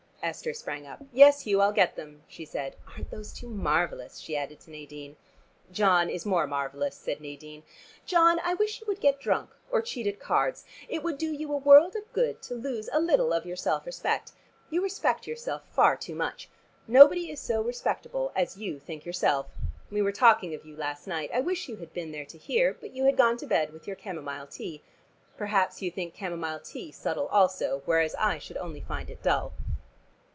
Esther sprang up. "Yes, Hugh, I'll get them," she said. "Aren't those two marvelous?" she added to Nadine. "John is more marvelous," said Nadine. "John, I wish you would get drunk or cheat at cards. It would do you a world of good to lose a little of your self respect. You respect yourself far too much. Nobody is so respectable as you think yourself. We were talking of you last night: I wish you had been there to hear; but you had gone to bed with your camomile tea. Perhaps you think camomile tea subtle also, whereas I should only find it dull."